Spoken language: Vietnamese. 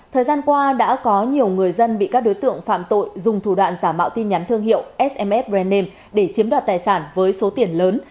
thời gian qua đã có nhiều người dân bị các đối tượng phạm tội dùng thủ đoạn giả mạo tin nhắn thương hiệu sms brand name để chiếm đoạt tài sản với số tiền lớn